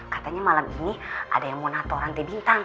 katanya malam ini ada yang mau natoran t bintang